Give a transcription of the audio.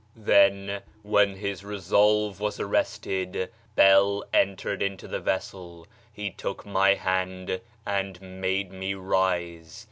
"'Then, when his resolve was arrested, Bel entered into the vessel. He took my hand and made me rise.